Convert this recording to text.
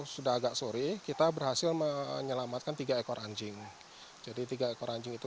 sudah agak sore kita berhasil menyelamatkan tiga ekor anjing jadi tiga ekor anjing itu